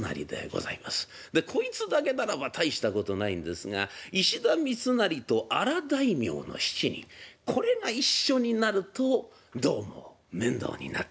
でこいつだけならば大したことないんですが石田三成と荒大名の７人これが一緒になるとどうも面倒になった。